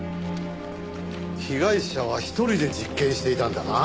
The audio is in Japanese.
被害者は一人で実験していたんだな？